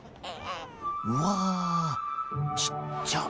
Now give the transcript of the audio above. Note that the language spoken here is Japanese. うわあちっちゃ。